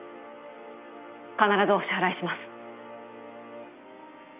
必ずお支払いします